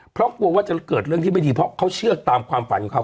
เพราะกลัวว่าจะเกิดเรื่องที่ไม่ดีเพราะเขาเชื่อตามความฝันของเขา